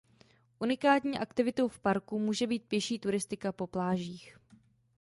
Unikátní aktivitou v parku může být pěší turistika po plážích.